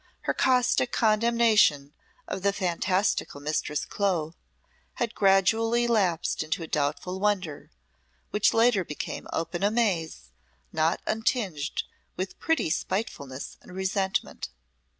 Her caustic condemnation of the fantastical Mistress Clo had gradually lapsed into a doubtful wonder, which later became open amaze not untinged with a pretty spitefulness and resentment.